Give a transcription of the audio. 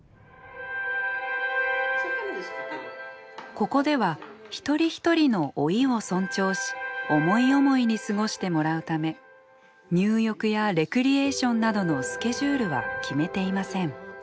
ここでは一人一人の老いを尊重し思い思いに過ごしてもらうため入浴やレクリエーションなどのスケジュールは決めていません。